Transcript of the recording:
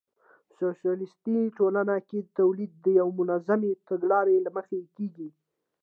په سوسیالیستي ټولنو کې تولید د یوې منظمې تګلارې له مخې کېږي